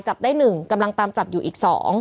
จับได้๑กำลังตามจับอยู่อีก๒